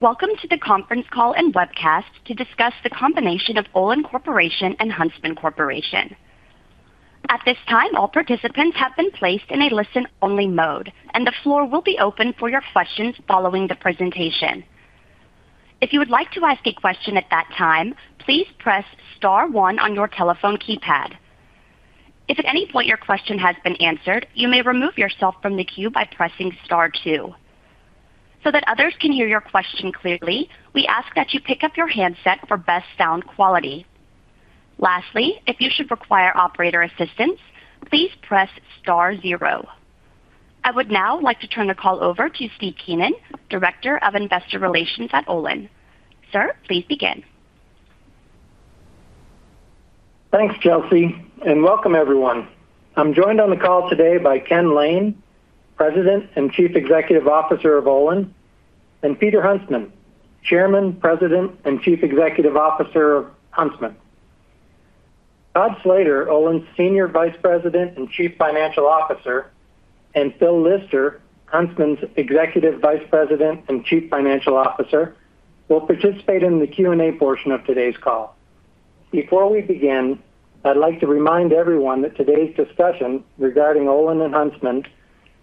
Welcome to the conference call and webcast to discuss the combination of Olin Corporation and Huntsman Corporation. At this time, all participants have been placed in a listen-only mode, and the floor will be open for your questions following the presentation. If you would like to ask a question at that time, please press star one on your telephone keypad. If at any point your question has been answered, you may remove yourself from the queue by pressing star two. That others can hear your question clearly, we ask that you pick up your handset for best sound quality. Lastly, if you should require operator assistance, please press star zero. I would now like to turn the call over to Steve Keenan, Director of Investor Relations at Olin. Sir, please begin. Thanks, Chelsea. Welcome everyone. I'm joined on the call today by Ken Lane, President and Chief Executive Officer of Olin, and Peter Huntsman, Chairman, President, and Chief Executive Officer of Huntsman. Todd Slater, Olin's Senior Vice President and Chief Financial Officer, and Phil Lister, Huntsman's Executive Vice President and Chief Financial Officer, will participate in the Q&A portion of today's call. Before we begin, I'd like to remind everyone that today's discussion regarding Olin and Huntsman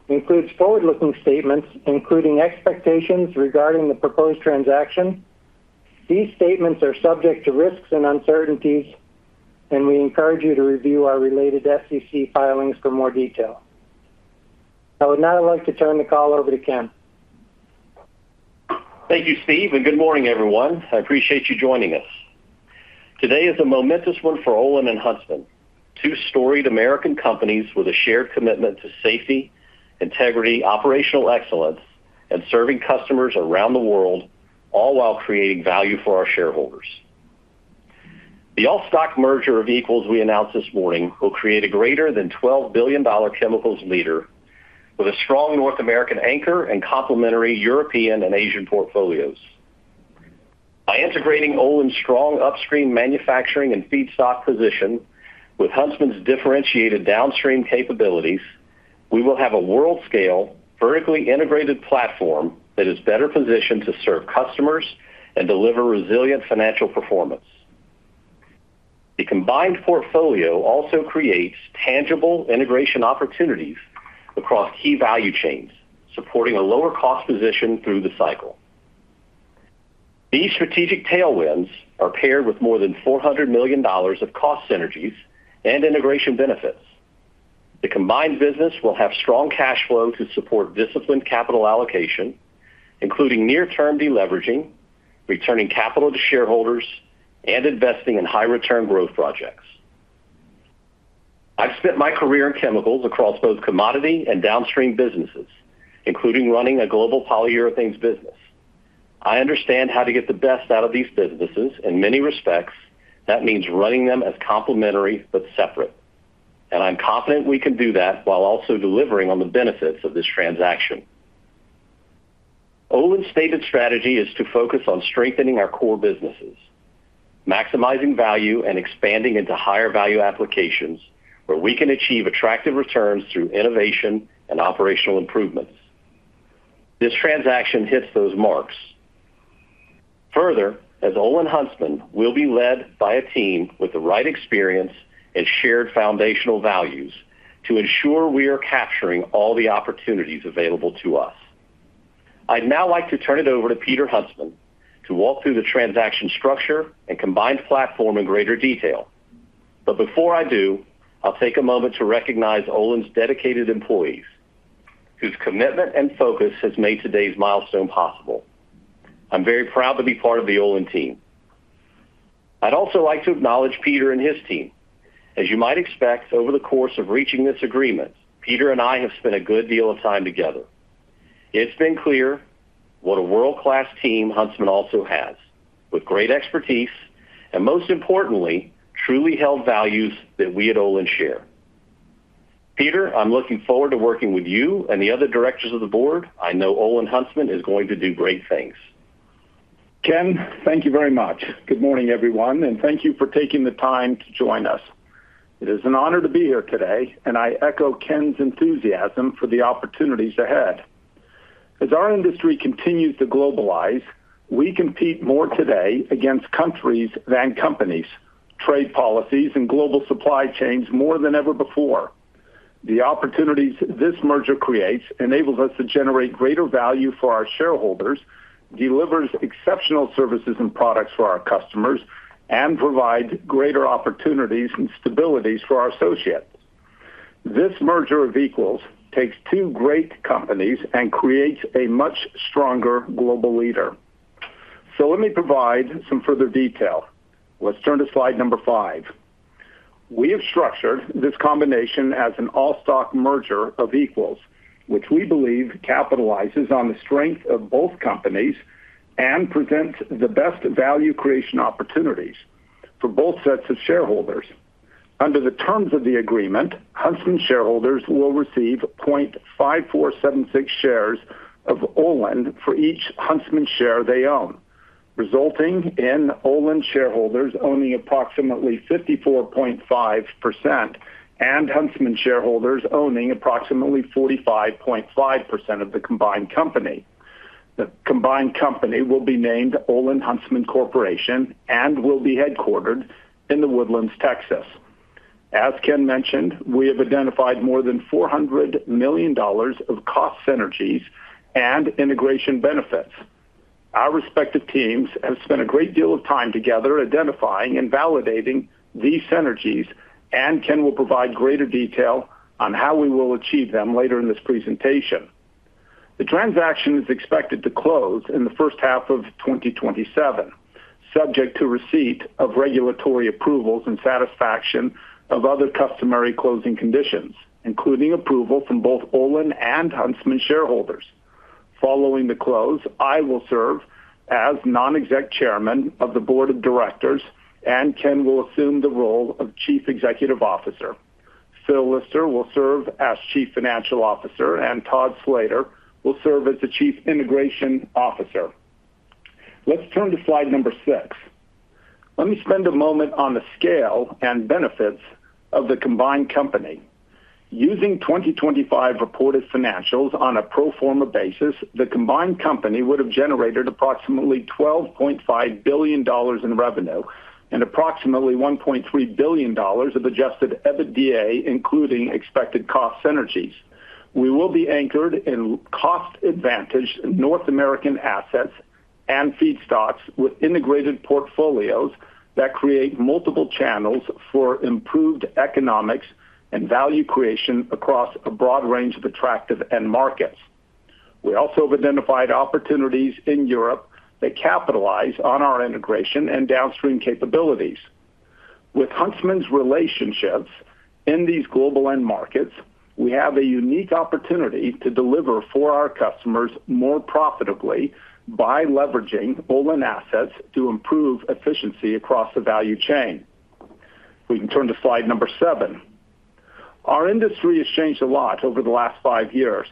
includes forward-looking statements, including expectations regarding the proposed transaction. These statements are subject to risks and uncertainties. We encourage you to review our related SEC filings for more detail. I would now like to turn the call over to Ken. Thank you, Steve. Good morning, everyone. I appreciate you joining us. Today is a momentous one for Olin and Huntsman, two storied American companies with a shared commitment to safety, integrity, operational excellence, and serving customers around the world, all while creating value for our shareholders. The all-stock merger of equals we announced this morning will create a greater than $12 billion chemicals leader with a strong North American anchor and complementary European and Asian portfolios. By integrating Olin's strong upstream manufacturing and feedstock position with Huntsman's differentiated downstream capabilities, we will have a world-scale, vertically integrated platform that is better positioned to serve customers and deliver resilient financial performance. The combined portfolio also creates tangible integration opportunities across key value chains, supporting a lower cost position through the cycle. These strategic tailwinds are paired with more than $400 million of cost synergies and integration benefits. The combined business will have strong cash flow to support disciplined capital allocation, including near-term deleveraging, returning capital to shareholders, and investing in high-return growth projects. I've spent my career in chemicals across both commodity and downstream businesses, including running a global polyurethanes business. I understand how to get the best out of these businesses. In many respects, that means running them as complementary but separate. I'm confident we can do that while also delivering on the benefits of this transaction. Olin's stated strategy is to focus on strengthening our core businesses, maximizing value, and expanding into higher-value applications where we can achieve attractive returns through innovation and operational improvements. This transaction hits those marks. Further, as OlinHuntsman, we'll be led by a team with the right experience and shared foundational values to ensure we are capturing all the opportunities available to us. I'd now like to turn it over to Peter Huntsman to walk through the transaction structure and combined platform in greater detail. Before I do, I'll take a moment to recognize Olin's dedicated employees, whose commitment and focus has made today's milestone possible. I'm very proud to be part of the Olin team. I'd also like to acknowledge Peter and his team. As you might expect, over the course of reaching this agreement, Peter and I have spent a good deal of time together. It's been clear what a world-class team Huntsman also has, with great expertise, and most importantly, truly held values that we at Olin share. Peter, I'm looking forward to working with you and the other directors of the board. I know OlinHuntsman is going to do great things. Ken, thank you very much. Good morning, everyone, and thank you for taking the time to join us. It is an honor to be here today, and I echo Ken's enthusiasm for the opportunities ahead. As our industry continues to globalize, we compete more today against countries than companies, trade policies, and global supply chains more than ever before. The opportunities this merger creates enables us to generate greater value for our shareholders, delivers exceptional services and products for our customers, and provide greater opportunities and stabilities for our associates. This merger of equals takes two great companies and creates a much stronger global leader. Let me provide some further detail. Let's turn to slide number five. We have structured this combination as an all-stock merger of equals, which we believe capitalizes on the strength of both companies and presents the best value creation opportunities for both sets of shareholders. Under the terms of the agreement, Huntsman shareholders will receive 0.5476 shares of Olin for each Huntsman share they own. Resulting in Olin shareholders owning approximately 54.5% and Huntsman shareholders owning approximately 45.5% of the combined company. The combined company will be named OlinHuntsman Corporation and will be headquartered in The Woodlands, Texas. As Ken mentioned, we have identified more than $400 million of cost synergies and integration benefits. Our respective teams have spent a great deal of time together identifying and validating these synergies, and Ken will provide greater detail on how we will achieve them later in this presentation. The transaction is expected to close in the first half of 2027, subject to receipt of regulatory approvals and satisfaction of other customary closing conditions, including approval from both Olin and Huntsman shareholders. Following the close, I will serve as non-exec Chairman of the board of directors, and Ken will assume the role of Chief Executive Officer. Phil Lister will serve as Chief Financial Officer, and Todd Slater will serve as the Chief Integration Officer. Let's turn to slide number six. Let me spend a moment on the scale and benefits of the combined company. Using 2025 reported financials on a pro forma basis, the combined company would have generated approximately $12.5 billion in revenue and approximately $1.3 billion of adjusted EBITDA, including expected cost synergies. We will be anchored in cost-advantaged North American assets and feedstocks with integrated portfolios that create multiple channels for improved economics and value creation across a broad range of attractive end markets. We also have identified opportunities in Europe that capitalize on our integration and downstream capabilities. With Huntsman's relationships in these global end markets, we have a unique opportunity to deliver for our customers more profitably by leveraging Olin assets to improve efficiency across the value chain. We can turn to slide number seven. Our industry has changed a lot over the last five years.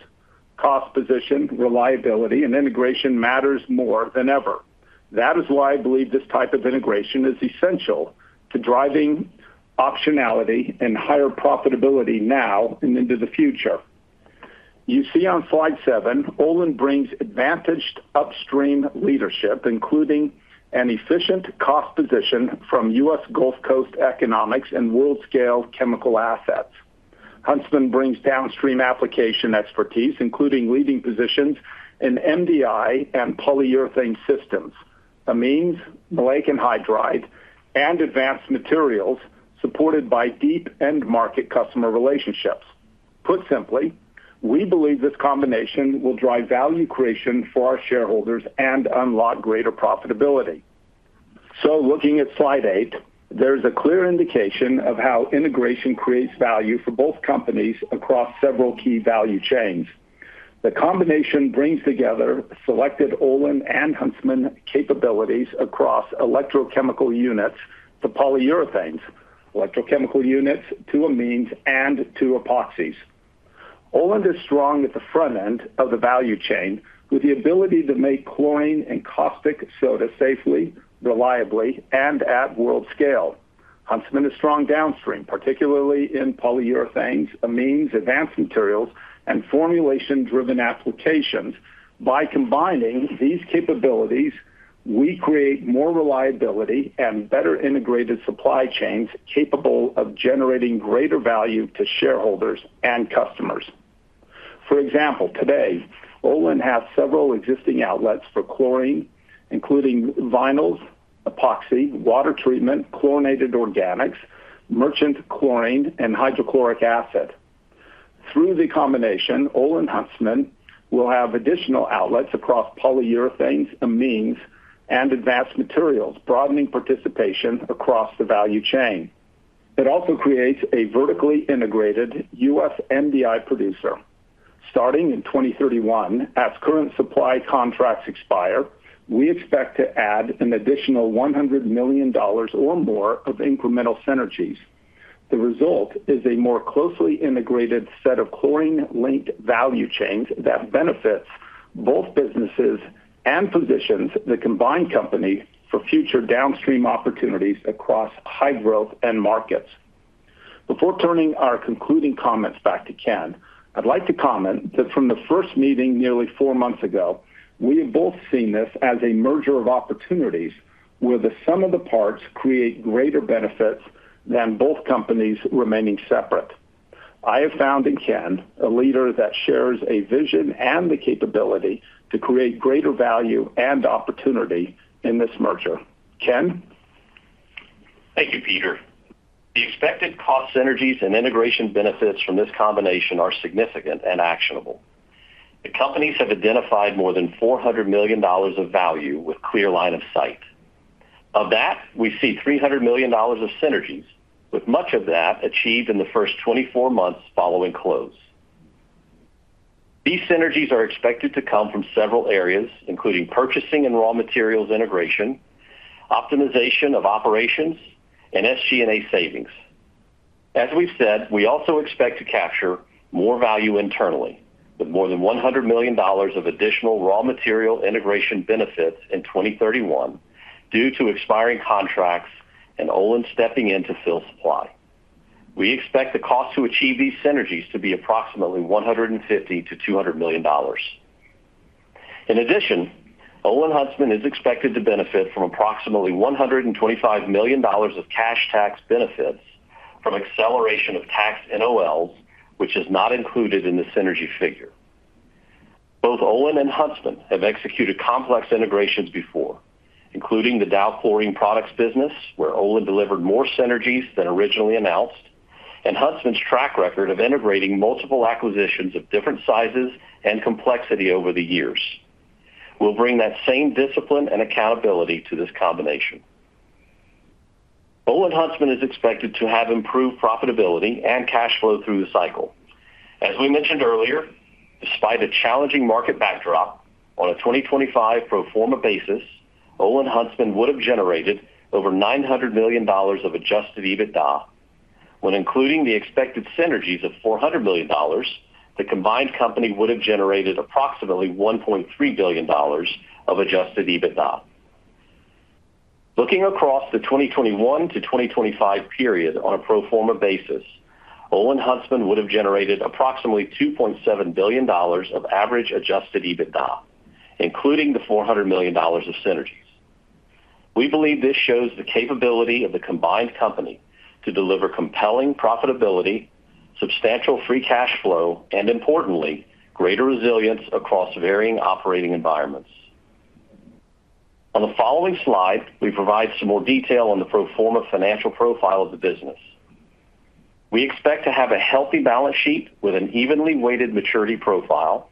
Cost position, reliability, and integration matters more than ever. That is why I believe this type of integration is essential to driving optionality and higher profitability now and into the future. You see on slide seven, Olin brings advantaged upstream leadership, including an efficient cost position from U.S. Gulf Coast economics and world-scale chemical assets. Huntsman brings downstream application expertise, including leading positions in MDI and polyurethane systems, amines, maleic anhydride, and Advanced Materials, supported by deep end market customer relationships. Put simply, we believe this combination will drive value creation for our shareholders and unlock greater profitability. Looking at slide eight, there is a clear indication of how integration creates value for both companies across several key value chains. The combination brings together selected Olin and Huntsman capabilities across electrochemical units to polyurethanes, electrochemical units to amines, and to epoxies. Olin is strong at the front end of the value chain with the ability to make chlorine and caustic soda safely, reliably, and at world scale. Huntsman is strong downstream, particularly in polyurethanes, amines, Advanced Materials, and formulation-driven applications. By combining these capabilities, we create more reliability and better integrated supply chains capable of generating greater value to shareholders and customers. For example, today, Olin has several existing outlets for chlorine, including vinyls, epoxy, water treatment, chlorinated organics, merchant chlorine, and hydrochloric acid. Through the combination, OlinHuntsman will have additional outlets across polyurethanes, amines, and Advanced Materials, broadening participation across the value chain. It also creates a vertically integrated U.S. MDI producer. Starting in 2031, as current supply contracts expire, we expect to add an additional $100 million or more of incremental synergies. The result is a more closely integrated set of chlorine-linked value chains that benefits both businesses and positions the combined company for future downstream opportunities across high-growth end markets. Before turning our concluding comments back to Ken, I'd like to comment that from the first meeting nearly four months ago, we have both seen this as a merger of opportunities where the sum of the parts create greater benefits than both companies remaining separate. I have found in Ken a leader that shares a vision and the capability to create greater value and opportunity in this merger. Ken? Thank you, Peter. The expected cost synergies and integration benefits from this combination are significant and actionable. The companies have identified more than $400 million of value with clear line of sight. Of that, we see $300 million of synergies, with much of that achieved in the first 24 months following close. These synergies are expected to come from several areas, including purchasing and raw materials integration, optimization of operations, and SG&A savings. As we've said, we also expect to capture more value internally with more than $100 million of additional raw material integration benefits in 2031 due to expiring contracts and Olin stepping in to fill supply. We expect the cost to achieve these synergies to be approximately $150 million-$200 million. In addition, Olin Huntsman is expected to benefit from approximately $125 million of cash tax benefits from acceleration of tax NOLs, which is not included in the synergy figure. Both Olin and Huntsman have executed complex integrations before, including the Dow Chlorine Products business, where Olin delivered more synergies than originally announced, and Huntsman's track record of integrating multiple acquisitions of different sizes and complexity over the years. We'll bring that same discipline and accountability to this combination. Olin Huntsman is expected to have improved profitability and cash flow through the cycle. As we mentioned earlier, despite a challenging market backdrop on a 2025 pro forma basis, Olin Huntsman would have generated over $900 million of adjusted EBITDA. When including the expected synergies of $400 million, the combined company would have generated approximately $1.3 billion of adjusted EBITDA. Looking across the 2021 to 2025 period on a pro forma basis, Olin Huntsman would have generated approximately $2.7 billion of average adjusted EBITDA, including the $400 million of synergies. We believe this shows the capability of the combined company to deliver compelling profitability, substantial free cash flow, and importantly, greater resilience across varying operating environments. On the following slide, we provide some more detail on the pro forma financial profile of the business. We expect to have a healthy balance sheet with an evenly weighted maturity profile,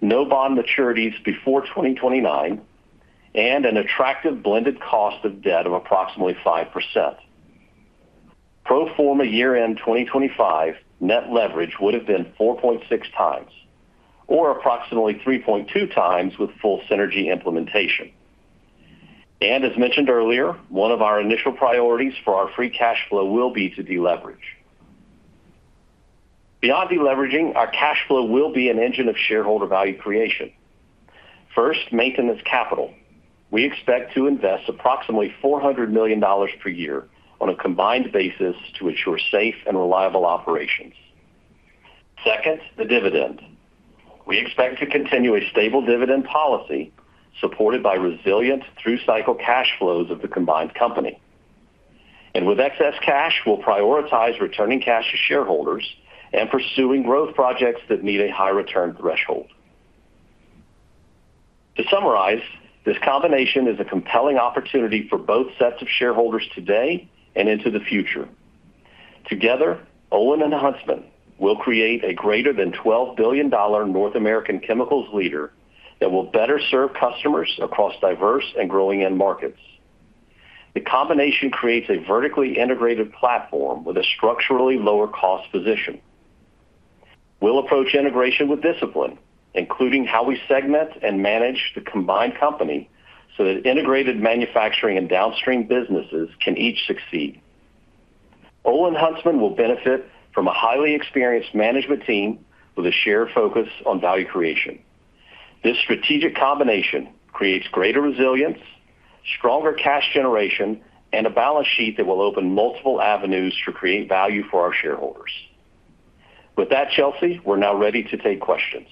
no bond maturities before 2025, and an attractive blended cost of debt of approximately 5%. Pro forma year-end 2025, net leverage would have been 4.6 times or approximately 3.2 times with full synergy implementation. As mentioned earlier, one of our initial priorities for our free cash flow will be to deleverage. Beyond deleveraging, our cash flow will be an engine of shareholder value creation. First, maintenance capital. We expect to invest approximately $400 million per year on a combined basis to ensure safe and reliable operations. Second, the dividend. We expect to continue a stable dividend policy supported by resilient through-cycle cash flows of the combined company. With excess cash, we'll prioritize returning cash to shareholders and pursuing growth projects that meet a high return threshold. To summarize, this combination is a compelling opportunity for both sets of shareholders today and into the future. Together, Olin and Huntsman will create a greater than $12 billion North American chemicals leader that will better serve customers across diverse and growing end markets. The combination creates a vertically integrated platform with a structurally lower cost position. We'll approach integration with discipline, including how we segment and manage the combined company so that integrated manufacturing and downstream businesses can each succeed. OlinHuntsman will benefit from a highly experienced management team with a shared focus on value creation. This strategic combination creates greater resilience, stronger cash generation, and a balance sheet that will open multiple avenues to create value for our shareholders. With that, Chelsea, we're now ready to take questions.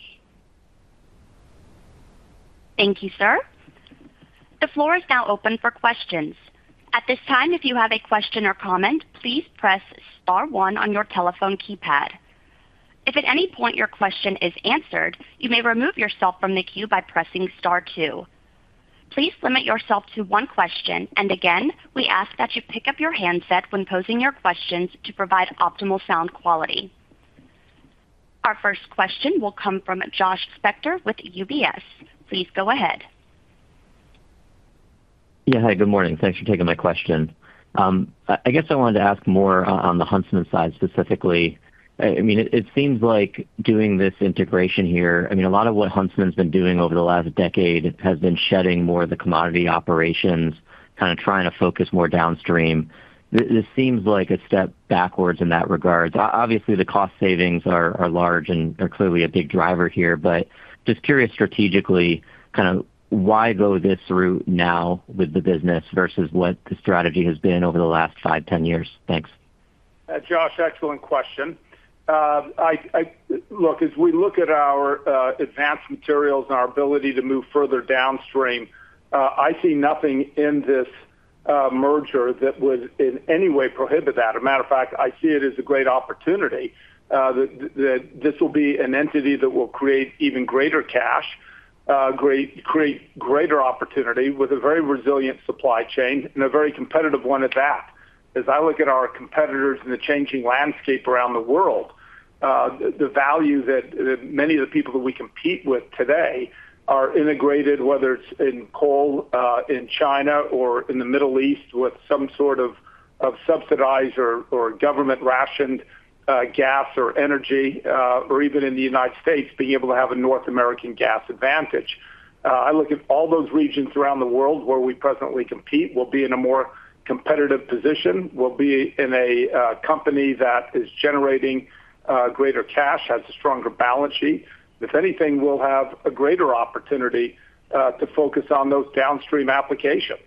Thank you, sir. The floor is now open for questions. At this time, if you have a question or comment, please press star one on your telephone keypad. If at any point your question is answered, you may remove yourself from the queue by pressing star two. Please limit yourself to one question, and again, we ask that you pick up your handset when posing your questions to provide optimal sound quality. Our first question will come from Josh Spector with UBS. Please go ahead. Yeah, hi. Good morning. Thanks for taking my question. I guess I wanted to ask more on the Huntsman side, specifically. It seems like doing this integration here, a lot of what Huntsman's been doing over the last decade has been shedding more of the commodity operations, kind of trying to focus more downstream. This seems like a step backwards in that regard. Obviously, the cost savings are large and are clearly a big driver here, but just curious strategically, kind of why go this route now with the business versus what the strategy has been over the last five, 10 years? Thanks. Josh, excellent question. As we look at our Advanced Materials and our ability to move further downstream, I see nothing in this merger that would in any way prohibit that. A matter of fact, I see it as a great opportunity, that this will be an entity that will create even greater cash, create greater opportunity with a very resilient supply chain and a very competitive one at that. As I look at our competitors and the changing landscape around the world, the value that many of the people that we compete with today are integrated, whether it's in coal, in China or in the Middle East with some sort of subsidized or government-rationed gas or energy, or even in the U.S., being able to have a North American gas advantage. I look at all those regions around the world where we presently compete. We'll be in a more competitive position. We'll be in a company that is generating greater cash, has a stronger balance sheet. If anything, we'll have a greater opportunity to focus on those downstream applications.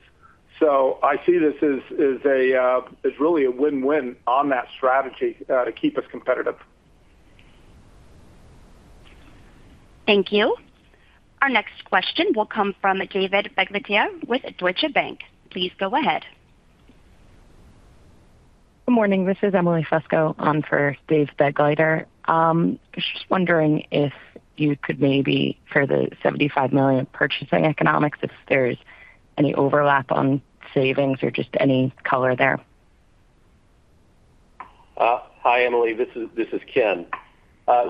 I see this as really a win-win on that strategy to keep us competitive. Thank you. Our next question will come from David Begleiter with Deutsche Bank. Please go ahead. Good morning. This is Emily Fusco on for Dave Begleiter. I was just wondering if you could maybe, for the $75 million purchasing economics, if there's any overlap on savings or just any color there. Hi, Emily. This is Ken.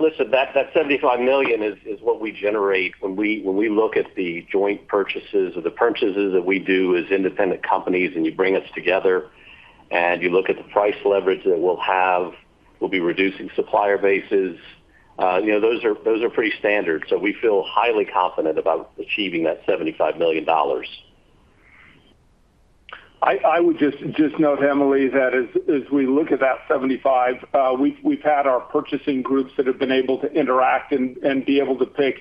Listen, that $75 million is what we generate when we look at the joint purchases or the purchases that we do as independent companies. You bring us together, you look at the price leverage that we'll have. We'll be reducing supplier bases. Those are pretty standard. We feel highly confident about achieving that $75 million. I would just note, Emily, that as we look at that $75 million, we've had our purchasing groups that have been able to interact and be able to pick,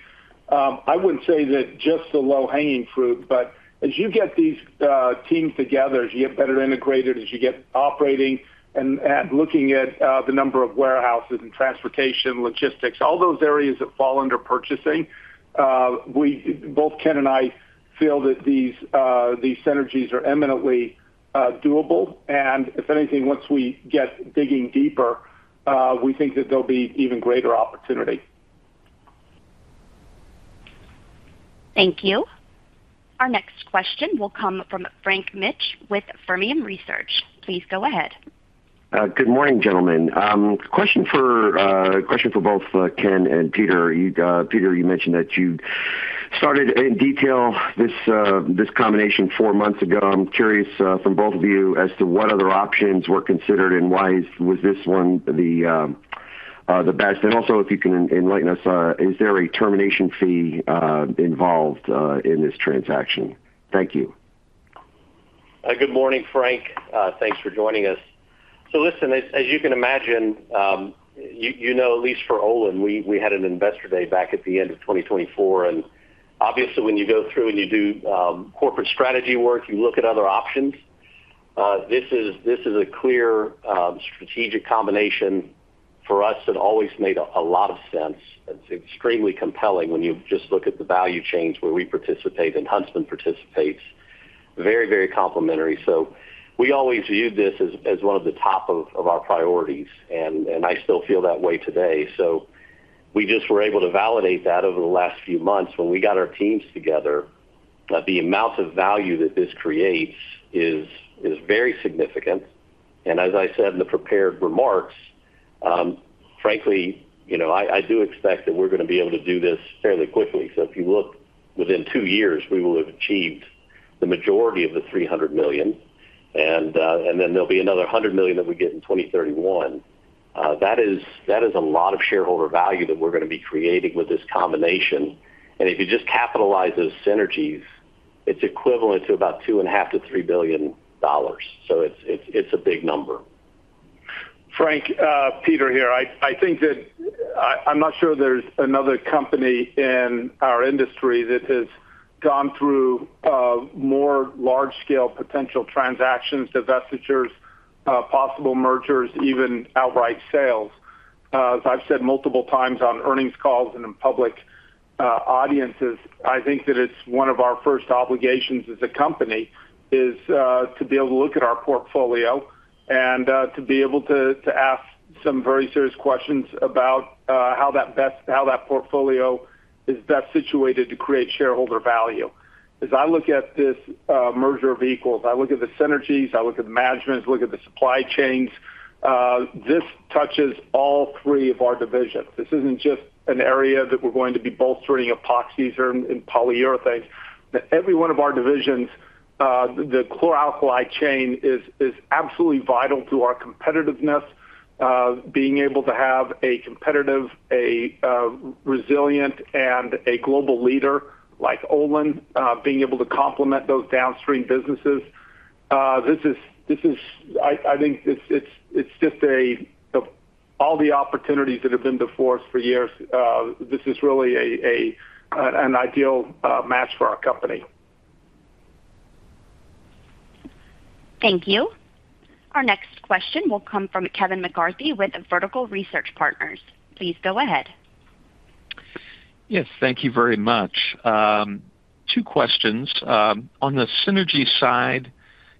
I wouldn't say that just the low-hanging fruit, but as you get these teams together, as you get better integrated, as you get operating and looking at the number of warehouses and transportation, logistics, all those areas that fall under purchasing, both Ken and I feel that these synergies are eminently doable, and if anything, once we get digging deeper, we think that there'll be even greater opportunity. Thank you. Our next question will come from Frank Mitsch with Fermium Research. Please go ahead. Good morning, gentlemen. Question for both Ken and Peter. Peter, you mentioned that you started in detail this combination four months ago. I'm curious from both of you as to what other options were considered and why was this one the best? Also, if you can enlighten us, is there a termination fee involved in this transaction? Thank you. Good morning, Frank. Thanks for joining us. Listen, as you can imagine, you know at least for Olin, we had an investor day back at the end of 2024, obviously, when you go through and you do corporate strategy work, you look at other options. This is a clear strategic combination for us that always made a lot of sense. It's extremely compelling when you just look at the value chains where we participate and Huntsman participates. Very complementary. We always viewed this as one of the top of our priorities, and I still feel that way today. We just were able to validate that over the last few months when we got our teams together, that the amount of value that this creates is very significant, and as I said in the prepared remarks, frankly, I do expect that we're going to be able to do this fairly quickly. If you look within two years, we will have achieved the majority of the $300 million, and then there'll be another $100 million that we get in 2031. That is a lot of shareholder value that we're going to be creating with this combination, and if you just capitalize those synergies, it's equivalent to about $2.5 billion-$3 billion. It's a big number. Frank, Peter here, I'm not sure there's another company in our industry that has gone through more large-scale potential transactions, divestitures, possible mergers, even outright sales. I've said multiple times on earnings calls and in public audiences, I think that it's one of our first obligations as a company is to be able to look at our portfolio and to be able to ask some very serious questions about how that portfolio is best situated to create shareholder value. I look at this merger of equals, I look at the synergies, I look at the management, look at the supply chains. This touches all three of our divisions. This isn't just an area that we're going to be bolstering epoxies or in polyurethanes. Every one of our divisions, the chlor-alkali chain is absolutely vital to our competitiveness. Being able to have a competitive, a resilient, and a global leader like Olin, being able to complement those downstream businesses, I think of all the opportunities that have been before us for years, this is really an ideal match for our company. Thank you. Our next question will come from Kevin McCarthy with Vertical Research Partners. Please go ahead. Yes. Thank you very much. Two questions. On the synergy side,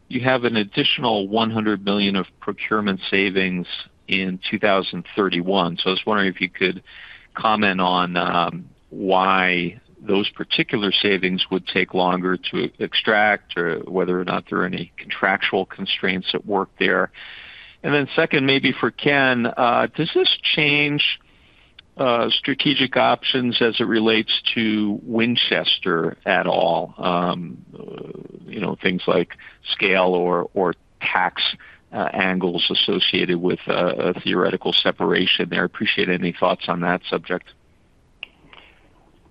you have an additional $100 million of procurement savings in 2031. I was wondering if you could comment on why those particular savings would take longer to extract, or whether or not there are any contractual constraints at work there. Second, maybe for Ken, does this change strategic options as it relates to Winchester at all? Things like scale or tax angles associated with a theoretical separation there. I appreciate any thoughts on that subject.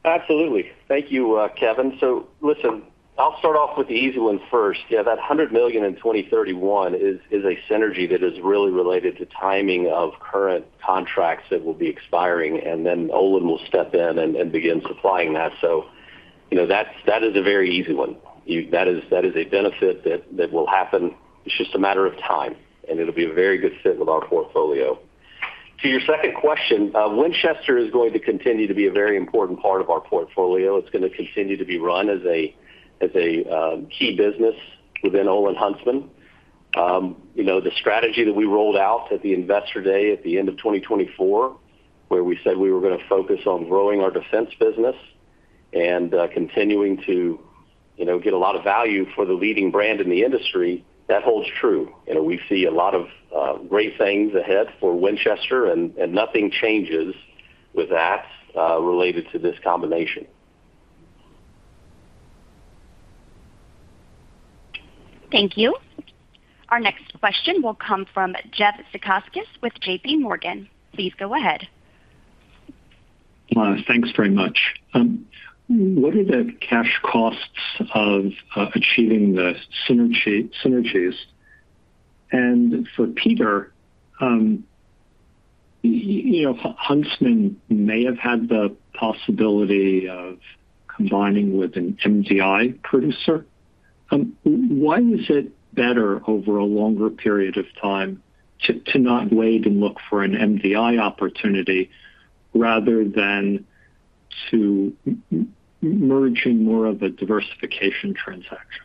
Absolutely. Thank you, Kevin. Listen, I'll start off with the easy one first. Yeah, that $100 million in 2031 is a synergy that is really related to timing of current contracts that will be expiring, and then Olin will step in and begin supplying that. That is a very easy one. That is a benefit that will happen. It's just a matter of time, and it'll be a very good fit with our portfolio. To your second question, Winchester is going to continue to be a very important part of our portfolio. It's going to continue to be run as a key business within OlinHuntsman. The strategy that we rolled out at the Investor Day at the end of 2024, where we said we were going to focus on growing our defense business and continuing to get a lot of value for the leading brand in the industry, that holds true. We see a lot of great things ahead for Winchester nothing changes with that related to this combination. Thank you. Our next question will come from Jeff Zekauskas with JPMorgan. Please go ahead. Thanks very much. What are the cash costs of achieving the synergies? For Peter, Huntsman may have had the possibility of combining with an MDI producer. Why is it better over a longer period of time to not wait and look for an MDI opportunity rather than to merge in more of a diversification transaction?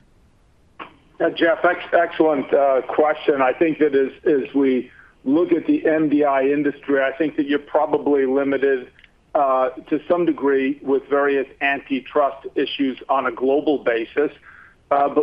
Jeff, excellent question. I think that as we look at the MDI industry, you're probably limited to some degree with various antitrust issues on a global basis.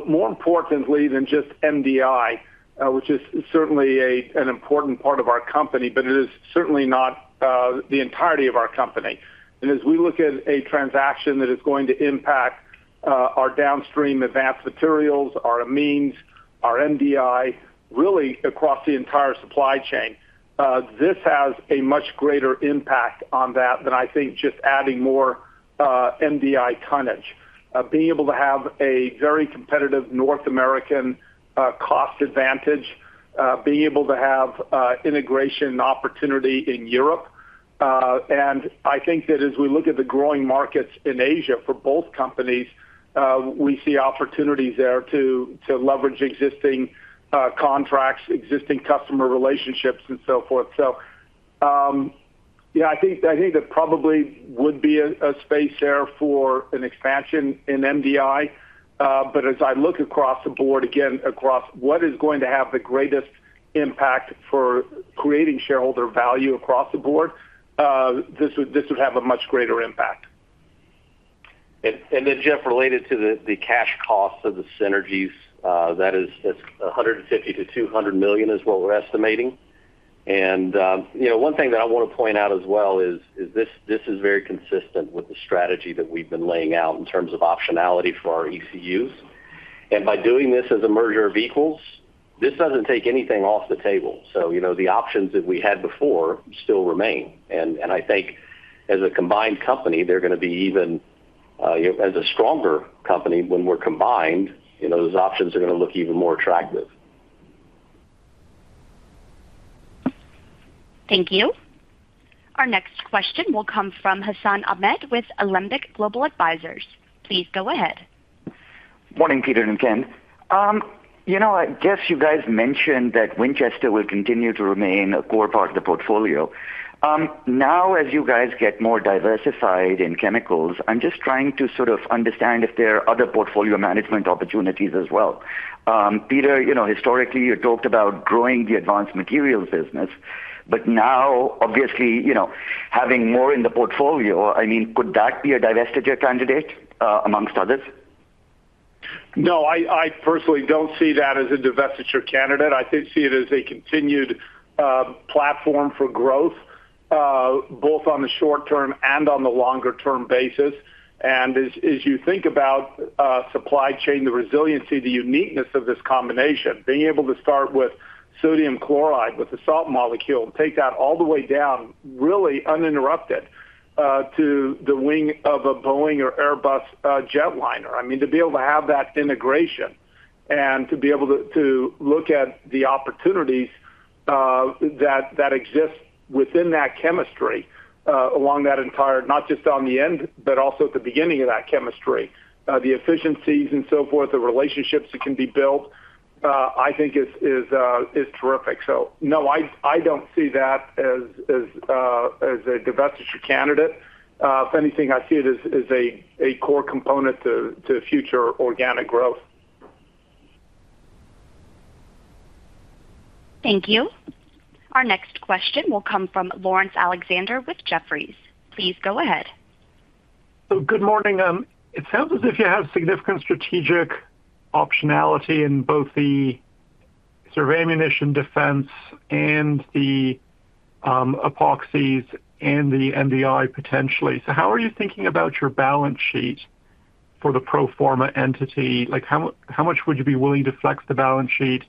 More importantly than just MDI, which is certainly an important part of our company, but it is certainly not the entirety of our company. As we look at a transaction that is going to impact our downstream Advanced Materials, our amines, our MDI, really across the entire supply chain, this has a much greater impact on that than I think just adding more MDI tonnage. Being able to have a very competitive North American cost advantage, being able to have integration opportunity in Europe. I think that as we look at the growing markets in Asia for both companies, we see opportunities there to leverage existing contracts, existing customer relationships, and so forth. Yeah, I think there probably would be a space there for an expansion in MDI. As I look across the board, again, across what is going to have the greatest impact for creating shareholder value across the board, this would have a much greater impact. Jeff, related to the cash cost of the synergies, that is $150 million-$200 million is what we're estimating. One thing that I want to point out as well, is this is very consistent with the strategy that we've been laying out in terms of optionality for our ECUs. By doing this as a merger of equals, this doesn't take anything off the table. The options that we had before still remain, and I think as a combined company, they're going to be even as a stronger company when we're combined, those options are going to look even more attractive. Thank you. Our next question will come from Hassan Ahmed with Alembic Global Advisors. Please go ahead. Morning, Peter and Ken. I guess you guys mentioned that Winchester will continue to remain a core part of the portfolio. As you guys get more diversified in chemicals, I'm just trying to sort of understand if there are other portfolio management opportunities as well. Peter, historically you talked about growing the Advanced Materials business, now obviously, having more in the portfolio, could that be a divestiture candidate amongst others? No, I personally don't see that as a divestiture candidate. I see it as a continued platform for growth, both on the short term and on the longer term basis. As you think about supply chain, the resiliency, the uniqueness of this combination, being able to start with sodium chloride, with the salt molecule, take that all the way down, really uninterrupted, to the wing of a Boeing or Airbus jetliner. To be able to have that integration and to be able to look at the opportunities that exist within that chemistry along that entire, not just on the end, but also at the beginning of that chemistry, the efficiencies and so forth, the relationships that can be built, I think is terrific. No, I don't see that as a divestiture candidate. If anything, I see it as a core component to future organic growth. Thank you. Our next question will come from Laurence Alexander with Jefferies. Please go ahead. Good morning. It sounds as if you have significant strategic optionality in both their Ammunition defense and the epoxies and the MDI potentially. How are you thinking about your balance sheet for the pro forma entity? How much would you be willing to flex the balance sheet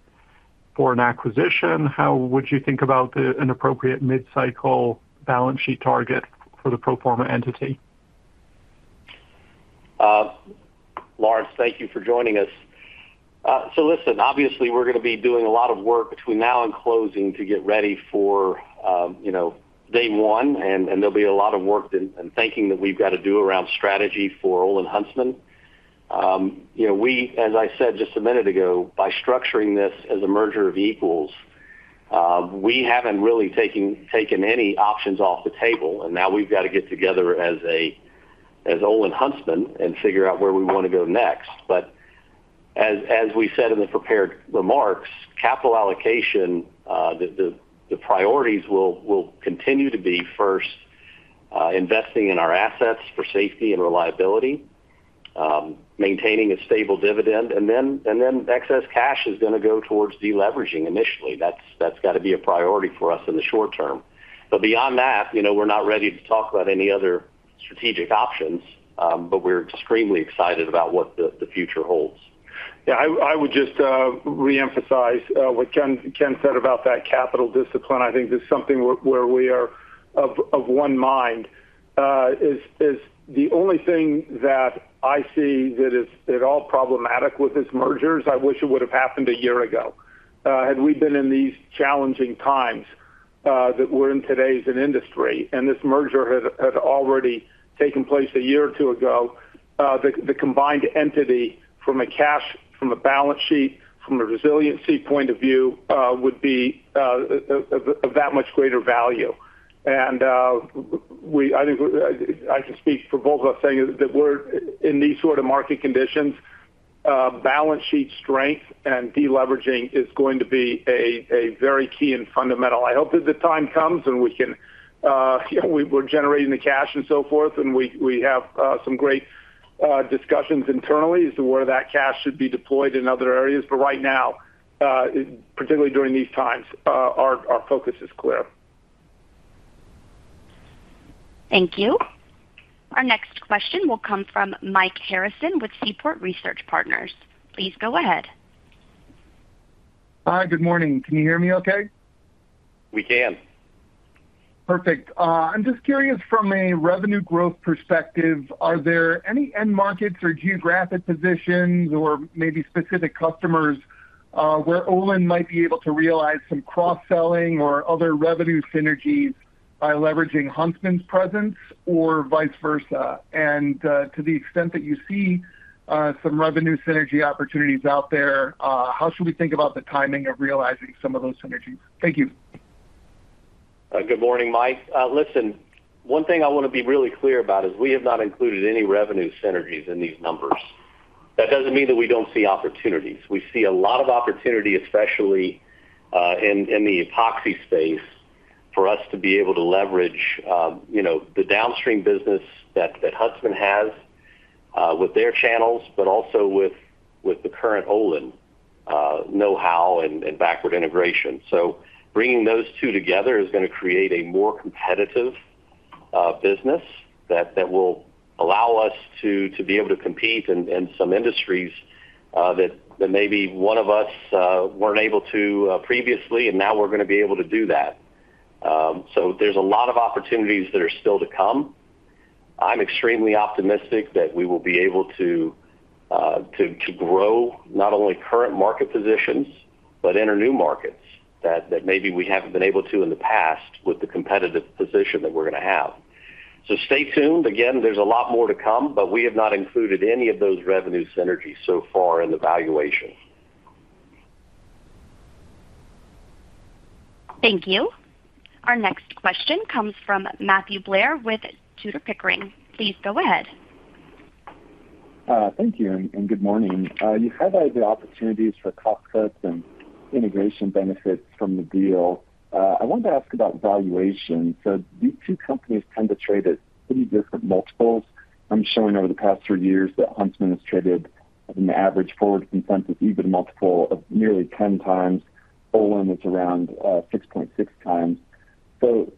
for an acquisition? How would you think about an appropriate mid-cycle balance sheet target for the pro forma entity? Lars, thank you for joining us. Listen, obviously, we're going to be doing a lot of work between now and closing to get ready for day one, and there'll be a lot of work and thinking that we've got to do around strategy for OlinHuntsman. We, as I said just a minute ago, by structuring this as a merger of equals, we haven't really taken any options off the table, and now we've got to get together as OlinHuntsman and figure out where we want to go next. As we said in the prepared remarks, capital allocation, the priorities will continue to be, first, investing in our assets for safety and reliability, maintaining a stable dividend, and then excess cash is going to go towards de-leveraging initially. That's got to be a priority for us in the short term. Beyond that, we're not ready to talk about any other strategic options. We're extremely excited about what the future holds. I would just re-emphasize what Ken said about that capital discipline. I think that is something where we are of one mind. The only thing that I see that is at all problematic with this merger is I wish it would have happened a year ago. Had we been in these challenging times that we are in today as an industry, this merger had already taken place a year or two ago, the combined entity from a cash, from a balance sheet, from a resiliency point of view would be of that much greater value. I think I can speak for both of us saying that we are in these sort of market conditions, balance sheet strength and de-leveraging is going to be a very key and fundamental. I hope that the time comes and we are generating the cash and so forth, and we have some great discussions internally as to where that cash should be deployed in other areas. Right now, particularly during these times, our focus is clear. Thank you. Our next question will come from Mike Harrison with Seaport Research Partners. Please go ahead. Hi. Good morning. Can you hear me okay? We can. Perfect. I'm just curious from a revenue growth perspective, are there any end markets or geographic positions or maybe specific customers where Olin might be able to realize some cross-selling or other revenue synergies by leveraging Huntsman's presence or vice versa? To the extent that you see some revenue synergy opportunities out there, how should we think about the timing of realizing some of those synergies? Thank you. Good morning, Mike. Listen, one thing I want to be really clear about is we have not included any revenue synergies in these numbers. That doesn't mean that we don't see opportunities. We see a lot of opportunity, especially in the epoxy space for us to be able to leverage the downstream business that Huntsman has with their channels, but also with the current Olin knowhow and backward integration. Bringing those two together is going to create a more competitive business that will allow us to be able to compete in some industries that maybe one of us weren't able to previously, and now we're going to be able to do that. There's a lot of opportunities that are still to come. I'm extremely optimistic that we will be able to grow not only current market positions, but enter new markets that maybe we haven't been able to in the past with the competitive position that we're going to have. Stay tuned. Again, there's a lot more to come, but we have not included any of those revenue synergies so far in the valuation. Thank you. Our next question comes from Matthew Blair with Tudor, Pickering. Please go ahead. Thank you, and good morning. You highlighted the opportunities for cost cuts and integration benefits from the deal. I wanted to ask about valuation. These two companies tend to trade at pretty different multiples. I'm showing over the past three years that Huntsman has traded at an average forward consensus EV to multiple of nearly 10 times. Olin is around 6.6 times.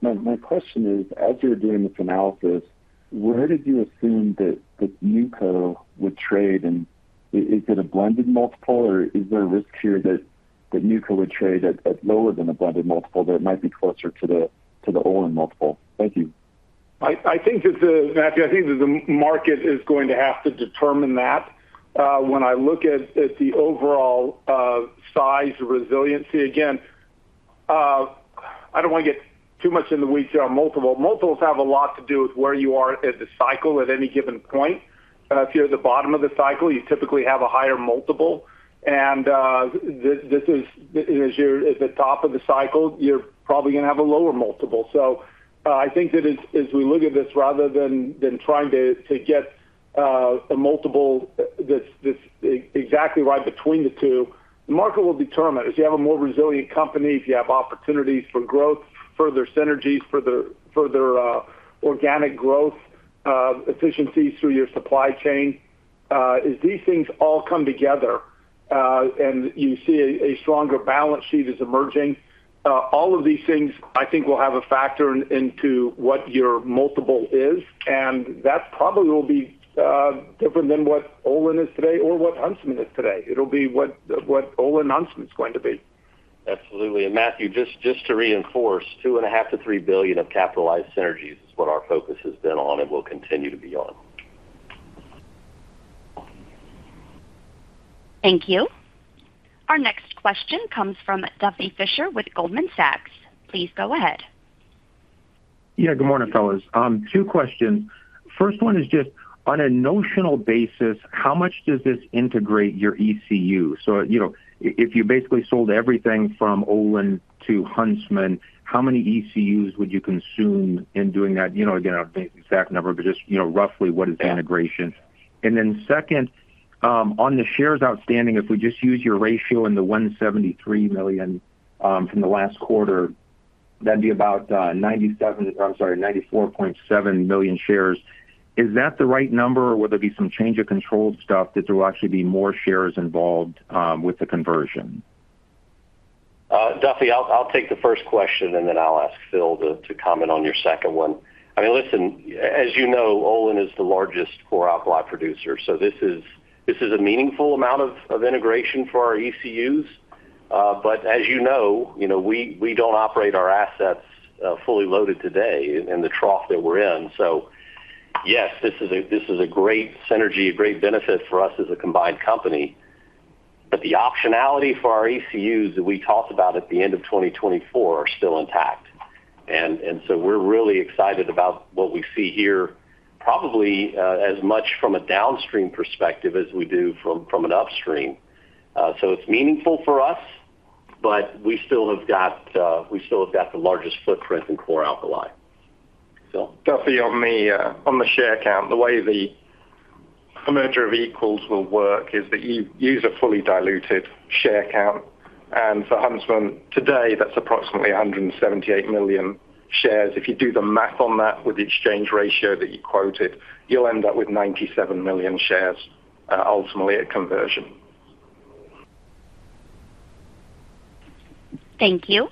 My question is: As you're doing this analysis, where did you assume that the new co would trade, and is it a blended multiple, or is there a risk here that new co would trade at lower than a blended multiple, that it might be closer to the Olin multiple? Thank you. Matthew, I think that the market is going to have to determine that. When I look at the overall size resiliency, again, I don't want to get too much in the weeds here on multiple. Multiples have a lot to do with where you are at the cycle at any given point. If you're at the bottom of the cycle, you typically have a higher multiple. As you're at the top of the cycle, you're probably going to have a lower multiple. I think that as we look at this, rather than trying to get a multiple that's exactly right between the two, the market will determine. If you have a more resilient company, if you have opportunities for growth, further synergies, further organic growth, efficiencies through your supply chain. As these things all come together, you see a stronger balance sheet is emerging, all of these things, I think, will have a factor into what your multiple is. That probably will be different than what Olin is today or what Huntsman is today. It'll be what OlinHuntsman's going to be. Absolutely. Matthew, just to reinforce, $2.5 billion-$3 billion of capitalized synergies is what our focus has been on and will continue to be on. Thank you. Our next question comes from Duffy Fischer with Goldman Sachs. Please go ahead. Yeah, good morning, fellas. Two questions. First one is just on a notional basis, how much does this integrate your ECU? If you basically sold everything from Olin to Huntsman, how many ECUs would you consume in doing that? I don't think the exact number, just roughly what is the integration? Yeah. Second, on the shares outstanding, if we just use your ratio in the 173 million from the last quarter, that'd be about 94.7 million shares. Is that the right number or will there be some change of controlled stuff that there will actually be more shares involved with the conversion? Duffy, I'll take the first question, and then I'll ask Phil to comment on your second one. Listen, as you know, Olin is the largest chlor-alkali producer, this is a meaningful amount of integration for our ECUs. As you know, we don't operate our assets fully loaded today in the trough that we're in. Yes, this is a great synergy, a great benefit for us as a combined company. The optionality for our ECUs that we talked about at the end of 2024 are still intact. We're really excited about what we see here, probably as much from a downstream perspective as we do from an upstream. It's meaningful for us, but we still have got the largest footprint in chlor-alkali. Phil? Duffy, on the share count, the way the merger of equals will work is that you use a fully diluted share count. For Huntsman today, that's approximately 178 million shares. If you do the math on that with the exchange ratio that you quoted, you'll end up with 97 million shares, ultimately at conversion. Thank you.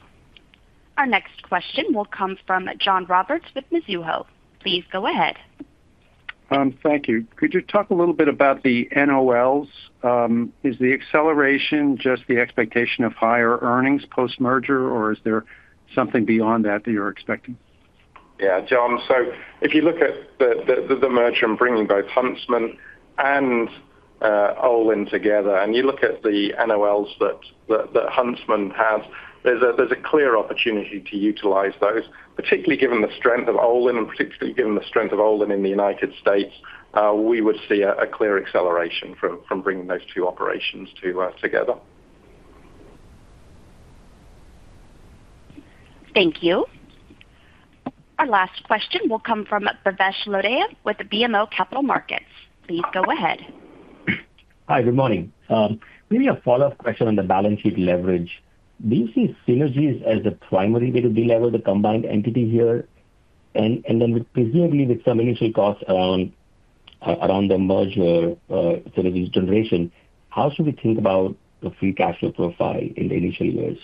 Our next question will come from John Roberts with Mizuho. Please go ahead. Thank you. Could you talk a little bit about the NOLs? Is the acceleration just the expectation of higher earnings post-merger, or is there something beyond that you're expecting? John, if you look at the merger and bringing both Huntsman and Olin together, and you look at the NOLs that Huntsman has, there's a clear opportunity to utilize those, particularly given the strength of Olin, and particularly given the strength of Olin in the U.S., we would see a clear acceleration from bringing those two operations together. Thank you. Our last question will come from Bhavesh Lodaya with BMO Capital Markets. Please go ahead. Hi, good morning. Maybe a follow-up question on the balance sheet leverage. Do you see synergies as the primary way to delever the combined entity here? Presumably with some initial costs around the merger, integration, how should we think about the free cash flow profile in the initial years?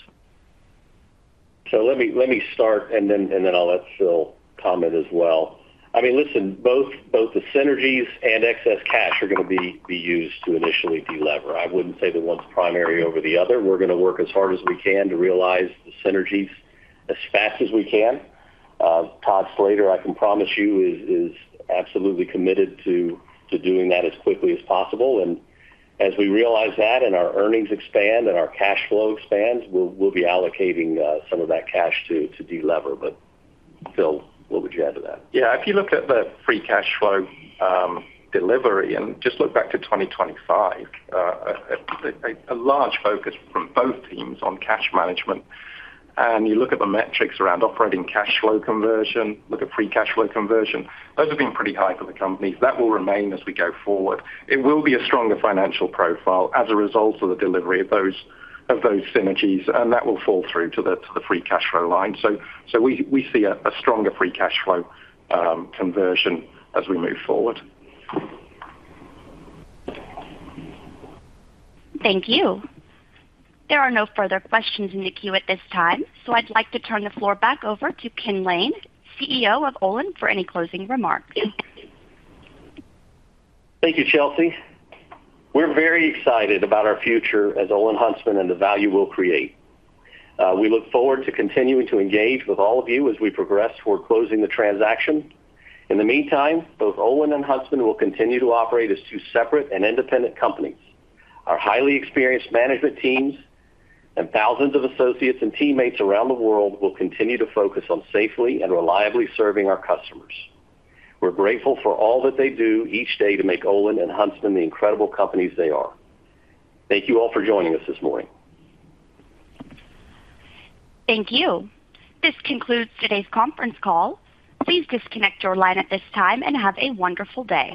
Let me start, I'll let Phil comment as well. Listen, both the synergies and excess cash are going to be used to initially delever. I wouldn't say that one's primary over the other. We're going to work as hard as we can to realize the synergies as fast as we can. Todd Slater, I can promise you, is absolutely committed to doing that as quickly as possible. As we realize that and our earnings expand and our cash flow expands, we'll be allocating some of that cash to delever. Phil, what would you add to that? If you look at the free cash flow delivery and just look back to 2025, a large focus from both teams on cash management. You look at the metrics around operating cash flow conversion, look at free cash flow conversion. Those have been pretty high for the company. That will remain as we go forward. It will be a stronger financial profile as a result of the delivery of those synergies, and that will fall through to the free cash flow line. We see a stronger free cash flow conversion as we move forward. Thank you. There are no further questions in the queue at this time. I'd like to turn the floor back over to Ken Lane, CEO of Olin, for any closing remarks. Thank you, Chelsea. We're very excited about our future as OlinHuntsman and the value we'll create. We look forward to continuing to engage with all of you as we progress toward closing the transaction. In the meantime, both Olin and Huntsman will continue to operate as two separate and independent companies. Our highly experienced management teams and thousands of associates and teammates around the world will continue to focus on safely and reliably serving our customers. We're grateful for all that they do each day to make Olin and Huntsman the incredible companies they are. Thank you all for joining us this morning. Thank you. This concludes today's conference call. Please disconnect your line at this time and have a wonderful day.